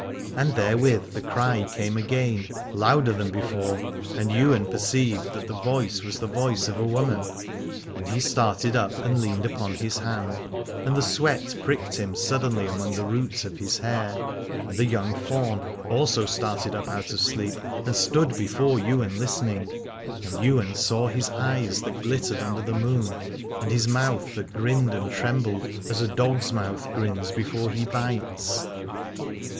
And therewith the cry came again, louder than before, and Ywain per ceived that the voice was the voice of a woman : and he started up and leaned upon his hand, and the sweat pricked him sud denly among the roots of his hair. And the young faun also started up out of sleep and Aladore stood before Ywain listening : and Ywain saw his eyes that glittered under the moon, and his mouth that grinned and trembled, as a dog's mouth grins before he bites.